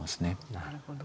なるほど。